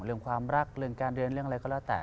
เรื่องความรักเรื่องการเรียนเรื่องอะไรก็แล้วแต่